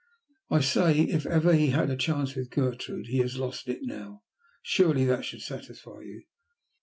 "I say if ever he had a chance with Gertrude, he has lost it now. Surely that should satisfy you."